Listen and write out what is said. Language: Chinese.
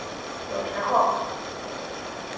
有时候。